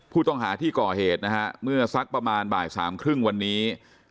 ผู้ต้องหาที่ก่อเหตุนะฮะเมื่อสักประมาณบ่ายสามครึ่งวันนี้